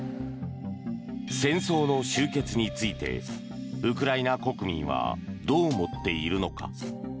戦争の終結についてウクライナ国民はどう思っているのか。